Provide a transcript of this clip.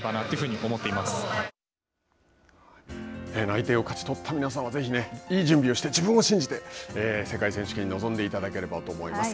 内定を勝ち取った皆さんはぜひねいい準備をして自分を信じて世界選手権に臨んでいただければと思います。